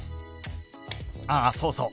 あっそうそう。